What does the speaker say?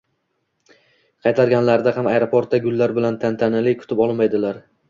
Qaytganlarida ham aeroportda gullar bilan, tantanali kutib olinmaydilar...